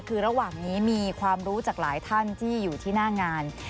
คือระหว่างนี้มีความรู้จากหลายท่านที่อยู่ที่หน้างาน